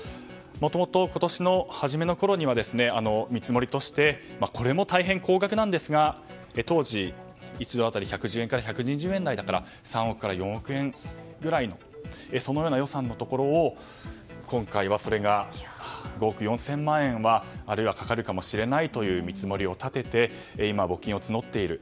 もともと今年の初めごろには見積もりとしてこれも大変高額なんですが当時、１ドル当たり１１０円から１２０円台だから３億から４億円くらいそのような予算のところを今回は５億４０００万円はかかるかもしれないという見積もりを立てて今、募金を募っている。